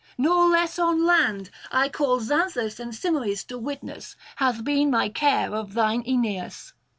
Nor less on land, I call Xanthus and Simoïs to witness, hath been my care of thine Aeneas.